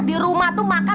di rumah tuh makan